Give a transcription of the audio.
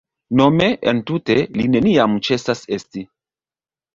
Nome, entute, “Li neniam ĉesas esti”.